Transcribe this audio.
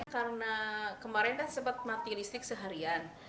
karena kemarin kan cepet mati listrik seharian